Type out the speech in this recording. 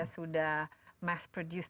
sudah mass produce